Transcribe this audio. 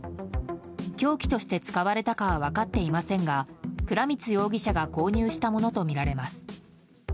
凶器として使われたかは分かっていませんが倉光容疑者が購入したものとみられます。